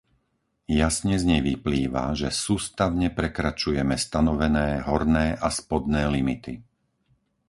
Jasne z nej vyplýva, že sústavne prekračujeme stanovené horné a spodné limity.